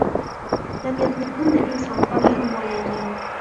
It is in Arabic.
لم يطمثهن إنس قبلهم ولا جان